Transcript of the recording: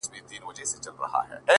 ماته به بله موضوع پاته نه وي-